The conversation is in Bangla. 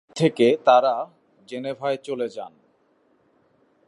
জুরিখ থেকে তারা জেনেভায় চলে যান।